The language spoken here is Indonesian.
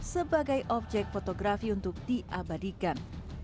sebagai objek fotografi untuk diabadikan